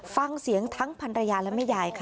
ฟังเสียงทั้งภรรยาและแม่ยายค่ะ